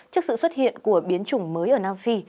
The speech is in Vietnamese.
trước sự xuất hiện của biến chủng mới ở nam phi